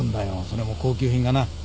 それも高級品がな。